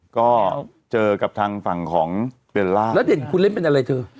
ก็เจอกับทางฝั่งของเบลล่าแล้วเด่นคุณเล่นเป็นอะไรเธอ